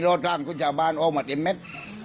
อดร่างคุณชาวบ้านออกมาเต็มเม็ด